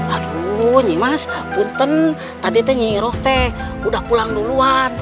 aduh nyimas tadi nyiroh udah pulang duluan